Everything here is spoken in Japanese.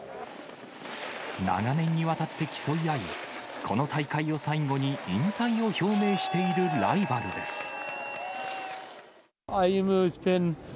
長年にわたって競い合い、この大会を最後に引退を表明しているライバルです。